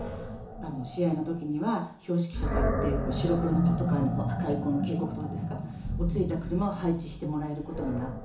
試合の時には標識車といって白黒のパトカーに赤い警告灯ですか？をついた車を配置してもらえる事になって。